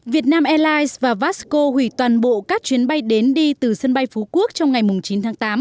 việt nam airlines và vasco hủy toàn bộ các chuyến bay đến đi từ sân bay phú quốc trong ngày chín tháng tám